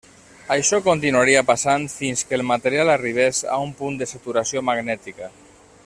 Això continuaria passant fins que el material arribés a un punt de saturació magnètica.